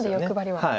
はい。